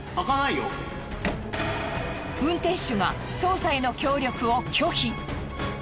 運転手が捜査への協力を拒否。